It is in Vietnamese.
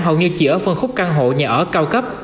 hầu như chỉ ở phân khúc căn hộ nhà ở cao cấp